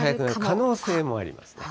可能性もあります。